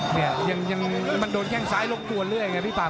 เนี่ยสังมันโดนแก้งสายลกตัวเนี่ยเนี่ยพี่ปาก